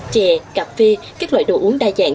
chè cà phê các loại đồ uống đa dạng